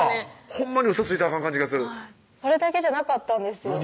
ほんまにウソついたらあかん感じがするそれだけじゃなかったんですよ何？